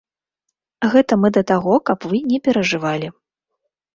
Гэта мы да таго, каб вы не перажывалі.